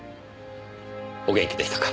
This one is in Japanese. お元気でしたか？